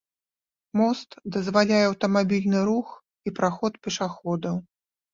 Мост дазваляе аўтамабільны рух і праход пешаходаў.